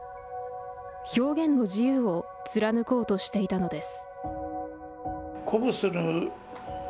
表現の自由を貫こうとしていたのです。